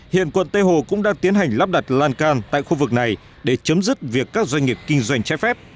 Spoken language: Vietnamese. hiện quận tây hồ cũng đang tiến hành lắp đặt lan can tại khu vực này để chấm dứt việc các doanh nghiệp kinh doanh trái phép